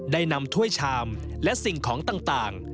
ได้นำถ้วยชามและสิ่งของต่าง